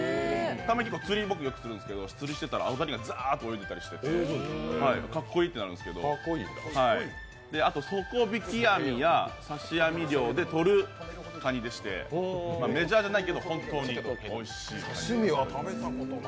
釣りをよくするんですけどたまに泳いでいてかっこいいってなるんですけどあと、底引き網や刺し網漁でとるかにでして、メジャーじゃないけど本当においしいかに。